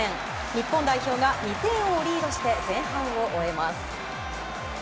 日本代表が２点をリードして前半を終えます。